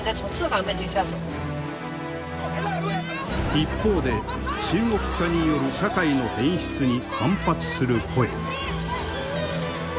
一方で中国化による社会の変質に反発する声。